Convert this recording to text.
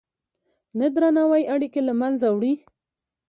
نه درناوی اړیکې له منځه وړي.